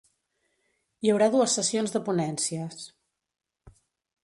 Hi haurà dues sessions de ponències.